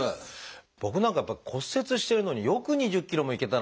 僕なんかはやっぱり骨折してるのによく２０ｋｍもいけたなあと。